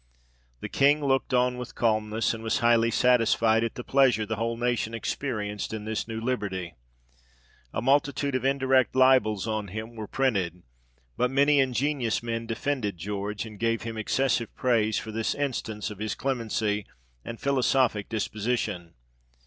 The King looked on with calmness, and was highly satisfied at the pleasure the whole nation experienced in this new liberty. A multitude of in FREEDOM OF THE PRESS IN FRANCE. 103 direct libels on him were printed ; but many ingenious men defended George, and gave him excessive praise for this instance of his clemency, and philosophic dis position.